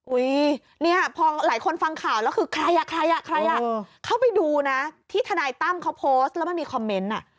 อุ้ยเนี่ยพอหลายคนฟังข่าวแล้วคือใครอะเข้าไปดูนะที่ทนายตั้มเขาโพสต์แล้วไม่มีคอมเมนต์